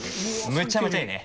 めちゃめちゃいいね。